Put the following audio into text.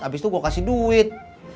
abis itu gue kasih duit